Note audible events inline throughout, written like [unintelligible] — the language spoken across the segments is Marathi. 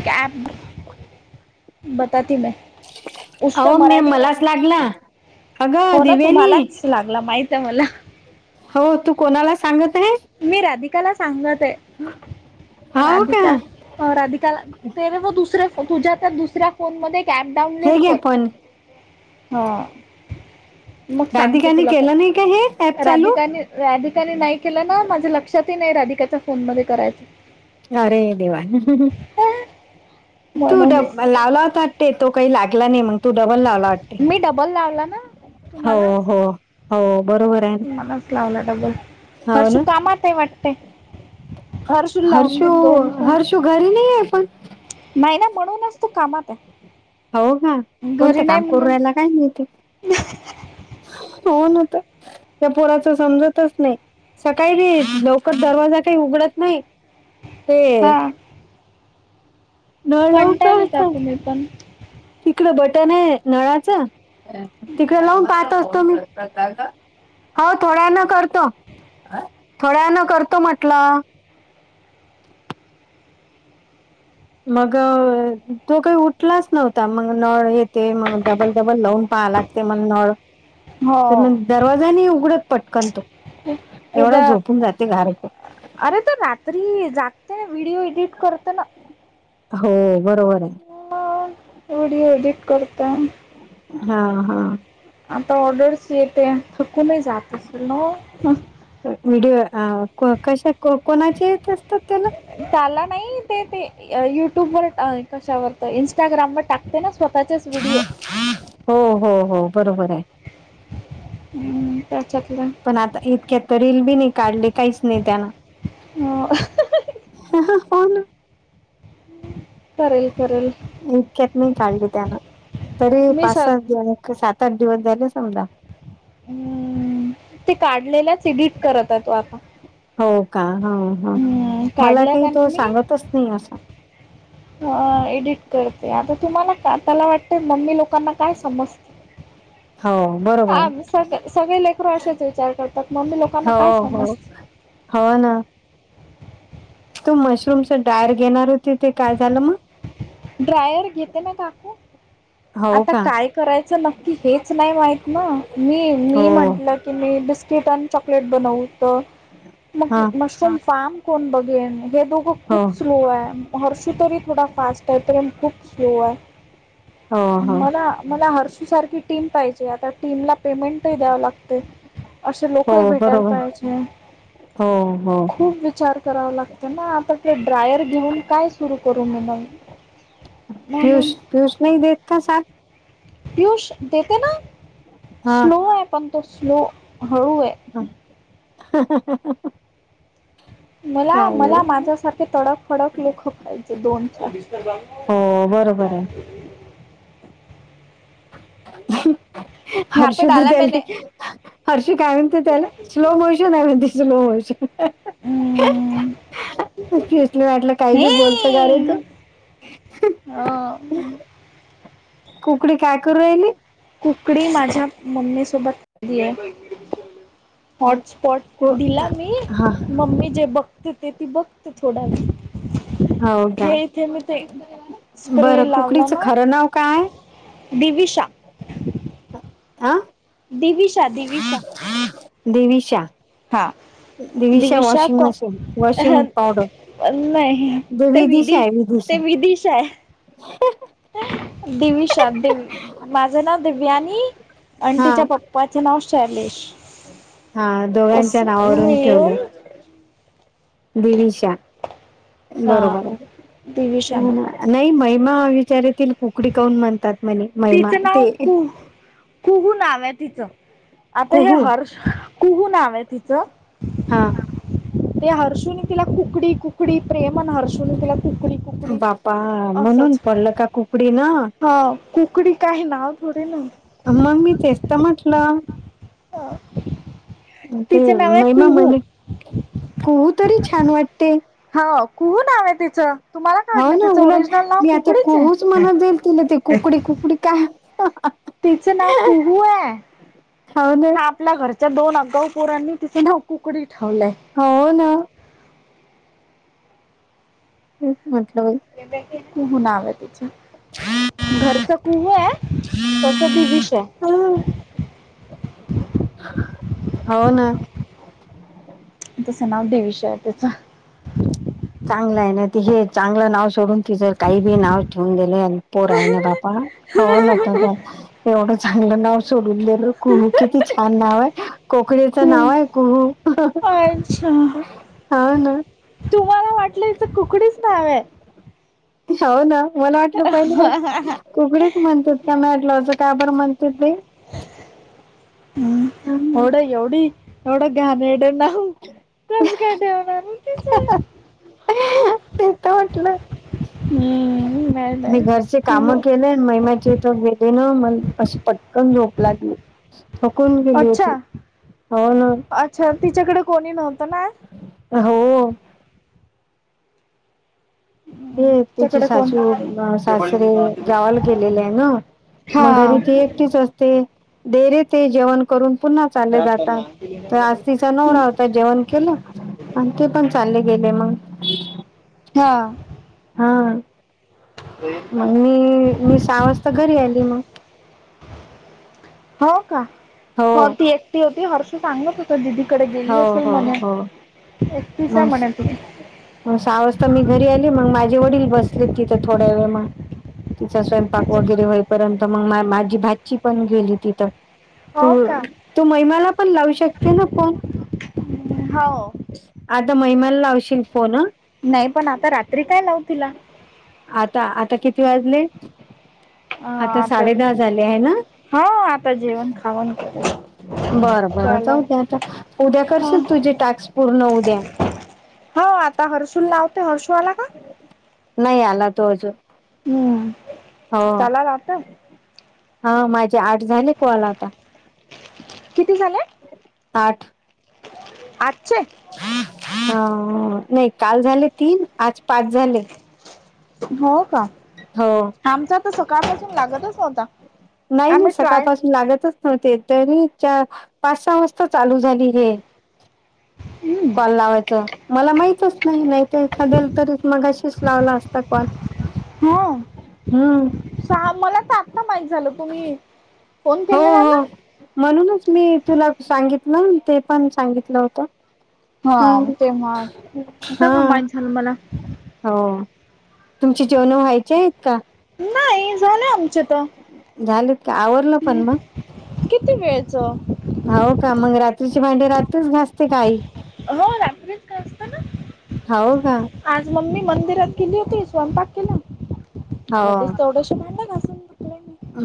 एक ॲप बता त मै. उसत अहो मी मराठी मलाच लागला अगं हो ना दिव्यानी तुम्हालाच लागला माहित आहे मला. हो तू कोणाला सांगत आहेस मी राधिकाला सांगत आहे हो का राधिका राधिकाला ते रे मग दुसऱ्या फोन तुझ्या त्या दुसऱ्या फोन मध्ये एक ऍप डाउनलोड हे घ्या कर पण हा मग सांगते राधिकाने तुला केलं नाही का हे ऍप काय चालू राधिकाने राधिकाने नाही केलं ना माझ्या लक्षातही नाही राधिकाच्या फोन मध्ये करायचं. अरे देवा अं, तु म्हणून डब मा लावला होता वाटते तो काही लागला नाही म्हण तू डबल लावला वाटते मी डबल लावला ना हो तुम्हाला हो हो बरोबर आहे. मलाच लावला डबल. ना हो हर्शु ना कामात आहे वाटते हरषू लावून घेन दोन. त घरी नाही आहे पण. नाही ना म्हणूनच तू कामात. हो का आहे घरी कोणतं नाही काम करू म्हणून रायला काय माहिती होना आता त्या पोराच समजतच नाही सकाळी बी लवकर दरवाजा काय उघडत नाहीत ते हा नळव कंटाळली का तुम्ही पण तिकड बटन आहे नळाचं तिकडे लावून पाहत असतो मी आहो थोड्यां वेळान करतो थोड्यां वेळान करतो म्हटलं मग तो काही उठलाच नव्हता मग नळ ये ते मग डबल डबल लावून पहा लागते मला नळ तर हो मग दरवाजाने उघडत पटकन तो खूप एवढा उद्या झोपून जाते घारक अरे तर रात्री जागते व्हिडिओ एडिट करते ना हो बरोबर आहे म ऑडिओ एडिट करताेय. हा हा आता ऑर्डरस येते थकूनही जात असेल ना व्हिडिओ आ को कशा को कोणाचे येत असतात त्याला त्याला नाही ते ते युट्यूबवर कशावर इंस्टाग्रामम टाकते ना स्वतःचेच व्हिडिओ हो हो हो बरोबर आहे. त्याच्यातल पण आता इतक्यात तर रील बी नाही काढली काहीच नाही त्यान हो ह हा होना ह [unintelligible] इतक्यात नाही काढली त्यान तरी मी पाच स सात दिवा एक सात-आठ दिवस झाले समजा हम्म ते काढलेल्याच एडिट करतात तो आपण हो का हाव ह मला काढला काही तो त्यांनी सांगतच नाही असा ते आता तुम्हाला का त्याला वाटत मम्मी लोकांना काय समजते हो बरोबर आ आहे. सग सगळे लेकरू असेच विचार करतात मम्मी लोकांना काय हो हो समजते हो ना तू मशरूमच डार घेणार होती ते काय झालं मग ड्रायव्हर घेते ना काकू हो आता का काय करायचं नक्की हेच नाही माहत ना मी हो मी म्हंटलं की मी बिस्किट आणि चॉकलेट बनवू तर मग हा ते मशरूम फार्म कोण बघेन हे दोघं हो खूप स्लो आहे. हर्षू तरी थोडा फास्ट आहे करण खूप स्लो आहे. हो हो मला मला हर्षू सारखी टीम पाहिजे आता टीमला पेमेंटही द्याव लागते. असे हो लोकही भेटायला बरोबर पाहिज हो हो खूप विचार कराव लागतं ना आता ते ड्रायर घेऊन काय सुरू करू मि मंग पियुष पियुष नाही देेत का सात पयुष देते ना हा स्लो आहे पण तो स्लो हळू आहे. हा मला काय मला माझ्यासारखे तडक फडक लोखक खायचेत दोन चार हो बरोबर आहे. यहाँ पे हर्षु डाला त्याला मैंने हर्षी काय म्हणते त्याला स्लो मावशी जन दिसलो आज हम्म, पीयुशला वाटलं काही हे बी बोलतो का रे तू अं, [inaudible] कुकडी काय करू राहिली. कुकडी माझ्या मम्मी सोबतली आहे. हॉटस्पॉट कु- दिला मी हा मम्मी जे बघते ते ती बघत थोडावे हो का हे इथे मी ते स्प्रे बरं लावला कुकडीचं ना खरं नाव काय दिविशा. आ. दिविशा दिविशा. दिविशा. हा Divisha washing machine washing powder. पण नाही जे ते विदिशा विधी आहे विदिशा ते विधीशा आहे. [unintelligible] दिविशा माझं नाव दिवनी आणि हा तिच्या पप्पा पप्पाचं नाव शैलेश हा दोघांच्या असं नावावरून मिळून ठेवलं दिविशा हा बरोबर आहे दिविशाना हम्म. नाही महिमा विचारेतील कुकडी काऊन म्हणतात म्हणे महिमा तिचं नाव ते कुहू कुहू नाव आहे तिचं आता हे कुहू हर्ष कुहू नाव आहे तिचं ह. ते हर्षुनी तिला कुकडी कुकडी प्रेमण हर्षुनी तिला कुकडी कुकडी ह म्हणून असंच पडलं का कुकडी तिन. हा कुकडी काय ना थोडे ना मग मी तेच तर म्हटलं. [unintelligible] ते नाव आहे महिमा कुहू म्हणे कुहू तरी छान वाटते. हाव कुहू नावे. हो ना उलाट मी आता कुकडीच आहे खुच म्हणत जाईल तिला त कुकडी कुकडी काय ह [unintelligible] तिचं नाव कुहू आहे. हाव न. इथल्या घरच्या दोन अगाऊ पोरांनी तिचं नाव कुकडी ठेवलंय. हो ना. [inaudible] कुहू नाव आहे. घरचा कुह आहे तसं दिविश आहे. [unintelligible] हो ना. तस नाव दिवीश आहे तीच. चांगलं आहे ना ति हे चांगलं नाव सोडून त जर काही बी नाव ठेवून गेले पोर आहे ना बापाव नता तर तेवढंच चांगलं नाव सोडून देले कुहू किती छान नाव आहे कोकळीचं नाव खूप आहे कुहू. अच्छा. हा ना तुम्हाला वाटलं हिच कुकडीच नाव आहे हो ना मला वाटलं पहिली कुकडीच म्हणतात का म्हटलं असं का बरं म्हणत ते हम्म ओढ एवढी एवढं घाणेरडं नाव कसं काय ठेवलं तीचं [unintelligible] हम मी घरचे काम केले महिमाच्या [inaudible] अशी पटकन झोप लागली थकून गेली अच्छा होती हो ना अच्छा तिच्याकडे कोणी नव्हतं ना हो हम्म, ते त्याची तिच्याकडे कोण सासू हा सासरे गावाला गेलेले आहे ना मग घरी ती एकटीच असते ते [inaudible] ते जेवण करून पुन्हा चालले जातात तर आज तिचा नवरा जेवण केलं आणि ते पण चालले गेले मग हा हा मग मी मी सहा वाजता घरी आली मग हो का हो ती एकटी होती हर्षू सांगत होता दिदीकडे गेली हो असेल हो म्हणून हो [unintelligible] मग सहा वाजता मी घरी आली मग माझे वडील बसले तिथं थोड्या वेळ मग तिचा स्वयंपाक वगैरे होईपर्यंत मग माझी भाची पण गेली तिथं त हो का तो महिमाला पण लावू शकते ना फोन हो आता महिमाला लावशील फोन नाही पण आता रात्री काय लावू तिला आता आता किती वाजले अ आता साडे दहा झाले आहे ना हा आता जेवण खाऊन बरं बरं जाऊदे आता उद्या कर हो आता हर्षुला लावते हर्षु आला का नाही आला तो अजून हम् हो हा माझे आठ झाले कॉल आता किती झाले आठ आजचे ह नाही काल झाले तीन आज पाच झाले हो का हो आमचा तर सकाळपासून लागतच नव्हता नाही नाही आम्ही ट्राय सकाळपासून लागतच नव्हते तरी च पाच सहा वाजता चालू झाली हे कॉल लावायचा मला माहितच नाही नाहीत एखाद्याला तरीच मगाशीच लावला असता कॉल हा हम्म सहा मला तर आत्ता माहित झालं तुम्ही फोन हो केलेला हो ना म्हणूनच मी तुला सांगितलं ते पण सांगितलं होत हम हा तेव्हा हा तेव्हा माहित झालं मला हो तुमची जेवण व्हायचे आहेत का नाही झाले आमचे त- झालेत का आवरलं पण म किती वेळच हो का मंग रात्रीची भांडी रात्रीच घासते का आई. हो रात्रीच घासते ना हो का आज मम्मी मंदिरात गेली होती स्वयंपाक केला मला दिस हो तेवढ्याशी भांडलं घा - -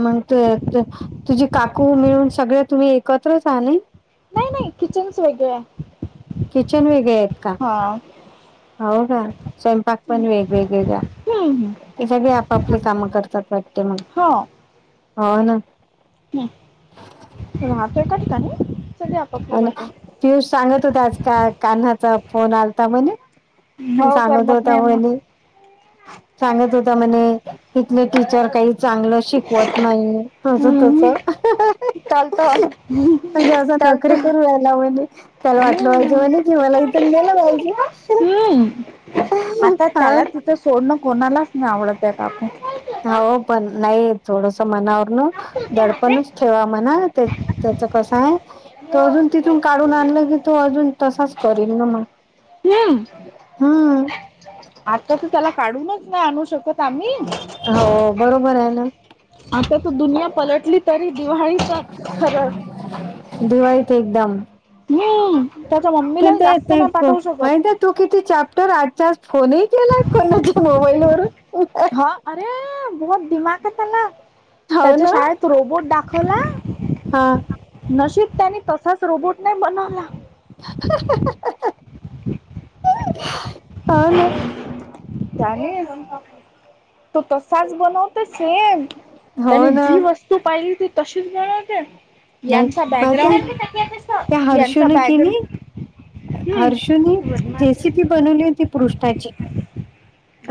मग ते तुझी काकू मिळून सगळे तुम्ही एकत्रच आह नाई नाही नाही किचनच वेगळ आहे. किचन वेगळे आहेत का हा हो का स्वयंपाक पण वेगवेगळे का हम्म हम्म ते सगळे आपापली कामं करतात वाटते मंग हो हो ना राहतो एकत्र आम्ही सगळे आपआपले हो ना करतो. पियुष सांगत होता आज का कान्हाचा फोन आलाता म्हणून हो सांगत करमत होता नाही मग मनी सांगत होता म्हणे तिथले टीचर काही चांगलं शिकवत नाही त्याज त्यांच हम्म चालत म्हणजे असं चालत नोकरी करू रायला म्हणे त्याला वाटलं [unintelligible] हम्म लग्न करायचं. हम्म आता त्याला तिथं सोडणं कोणालाच नाही आवडत आहे आता आपण हाव पण नाही थोडस मनावर न दडपणच ठेवा म्हणा ते त्याच कसं आहे. तो अजून तिथून काढून आणल की तो अजून तसाच करील ना मग हम् हम्म आता तर त्याला काढूनच नाय आणू शकत आम्ही हो बरोबर आहे ना आता तर दुनिया पलटली तरी दिवाळीचा खर दिवाळीत एकदम नई त्याच्या मम्मीला बी जास्त नाही पाठवू शकत. तो किती चॅप्टर आजच्या आज फोनही केलाय कोणाच्या मोबाईल वरून हा अरे बोहोत दिमाग ये त्याला हो त्याच्या ना शाळेत रोबोट दाखवला. हा नशीब त्यानी तसाच रोबोट नाही बनवला. ह ना. तो तसाच बनवतो सेम हो त्याने ना जी वस्तू पाहिली ती तशीच बणवते नाही यांचा माहित आहे बॅकग्राउंड त्या हर्षू यांचा की नी बॅकग्राउंड हम्म हर्षू नी केसी ति बनवली ति पृष्ठाची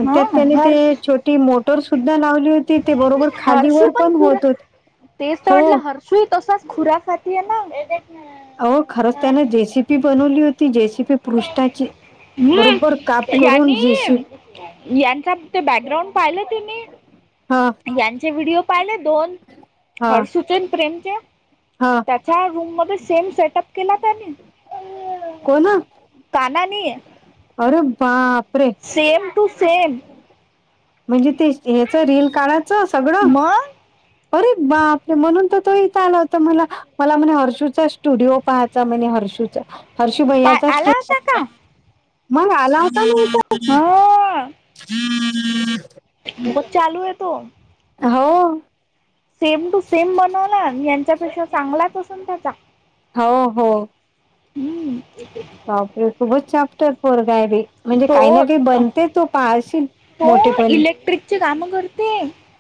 हा त्यात त्याने ते हर्ष छोटी मोटर सुद्धा लावली होत की ती बरोबर खालीवर पण होत होते हो सुई तसाच खुऱ्यासाठी आहे ना हो खरंच त्याने जे सी पी बनवली होती जे सी पी नी करून जेसी यानी यांचा फक्त बॅकग्राउंड पाहिला त्यांनी हा. यांचे व्हिडिओ पाहिले दोन हा हर्षूचे न प्रेमचे हा. त्याच्या रूम मध्ये सेम सेटअप केला त्यानी कोण काना नी अरे बापरे! सेम टू सेम म्हणजे ते ह्याच रील काढाचं सगळं मग अरे बापरे म्हणून तर तो इथं आला होता मला मला म्हणे हर्षूचा स्टुडिओ पाहत तर म्हणे हर्षूचा हर्ष काय भैयाचा शू आला होता का मग आला होता ना हा इथं मग चालू होतो तो हो सेम टू सेम बनवला यांच्यापेक्षा चांगलाच असन त्याचा हो हो. हम्म बाप रे! खूपच चापटर पोरगा आहे रे. तो तो मोठेपणी इलेक्ट्रिकचे कामं करते.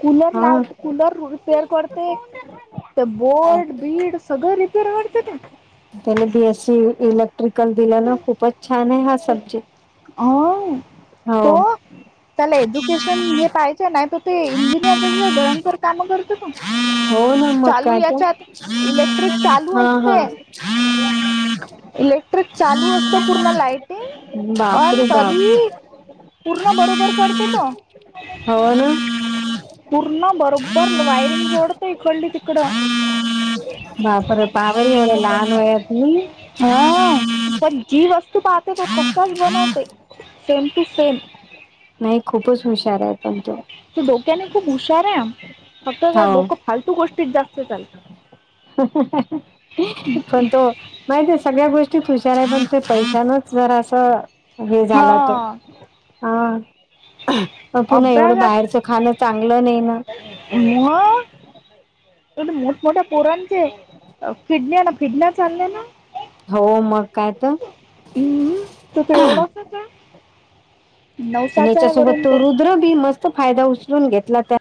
कूलर लाव हा कूलर रिपेअर करतो तर बोर्ड बीड सगळं रिपेअर करते ना त्याने बीएससी इलेक्ट्रिकल दिला ना खूपच छान आहे सब्जेक्ट अ हो तो त्याला एज्युकेशन हे पाहिजे नाही तर ते इंजिनियर म्हणे भयंकर काम करतो तो हो ना मग चालू काय तर याच्यात इलेक्ट्रिक चालू हा हा असते तर चालू असत पूर्ण लाइटिंग अऑन बापरे बाप कधी पूर्ण बरोबर करते ना हो ना पूर्ण बरोबर वायरिंग जोडत इकडली तिकडं बापरे पाहा बाई एवढा लाहान वयातनी हा पण जी वस्तू पाहते तो तसाच बनवते सेम टू सेम नाही खूपच हुशार आहे पण तो तो डोक्याने खूप हुशार आहे फक्त ज हो डोकं फालतू गोष्टीत जास्त चालते. पण तो माहित सगळ्या गोष्टी त हुशार आहे पण ते पैशनच जर असं हे हा झालं तो हा पण तुला एवढं बाहेरचं खाणं चांगलं नाही ना हो पण मोठा मोठ्या पोरणचे किडण्या ना किडण्या चालल्या ना हो मग काय तर हम्म तो तर एवढासा आहे आणि नवसाचा आहे याच्यासोबत वरून तो रुद्र बी मस्त फायदा उचलून घेतला त्या